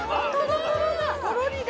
とろりだ。